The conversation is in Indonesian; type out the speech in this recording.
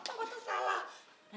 apa tuh salah